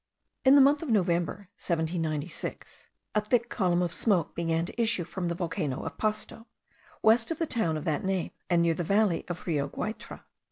In the month of November 1796 a thick column of smoke began to issue from the volcano of Pasto, west of the town of that name, and near the valley of Rio Guaytara.